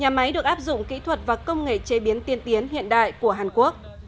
nhà máy được áp dụng kỹ thuật và công nghệ chế biến tiên tiến hiện đại của hàn quốc